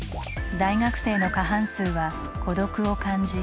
大学生の過半数は「孤独」を感じ。